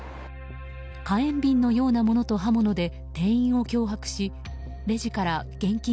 火炎瓶のようなものと刃物で店員を脅迫しレジから現金